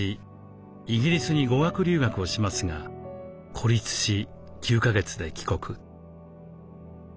イギリスに語学留学をしますが孤立し９か月で帰国。